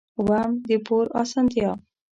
اووم: د پور اسانتیا.